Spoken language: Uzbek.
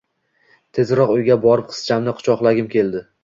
tezroq uyga borib qizchamni quchoqlagim keldi...